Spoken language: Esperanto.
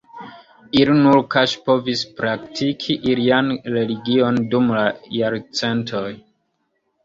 Ili nur kaŝe povis praktiki ilian religion dum la jarcentoj.